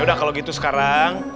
yaudah kalau gitu sekarang